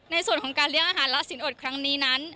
ในส่วนของการเลี้ยงอาหารและสินอดครั้งนี้นั้น